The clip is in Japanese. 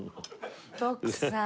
徳さん